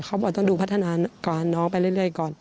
เขาบอกต้องดูพัฒนาก่อนน้องไปเรื่อยก่อน